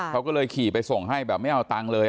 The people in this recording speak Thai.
เขาก็เลยขี่ไปส่งให้แบบไม่เอาตังค์เลย